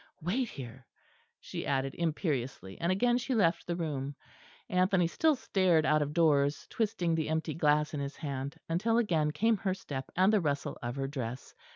Wait here," she added imperiously, and again she left the room. Anthony still stared out of doors, twisting the empty glass in his hand; until again came her step and the rustle of her dress.